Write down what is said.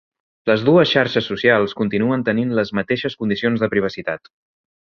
Les dues xarxes socials continuen tenint les mateixes condicions de privacitat